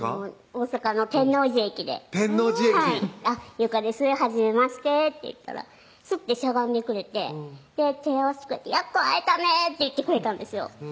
大阪の天王寺駅で天王寺駅「友佳ですはじめまして」って言ったらすってしゃがんでくれて手を合わしてくれて「やっと会えたね」って言ってくれたんですよ